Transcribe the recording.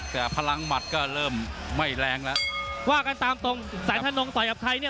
แต่พลังหมัดก็เริ่มไม่แรงแล้วว่ากันตามตรงแสนธนงต่อยกับใครเนี่ย